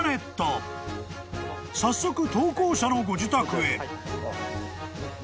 ［早速投稿者のご自宅へ］